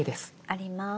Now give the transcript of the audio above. あります